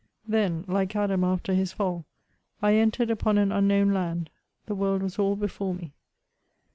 Then, like Adam after his fall, I entered upon an unknown land ; the world was all before me.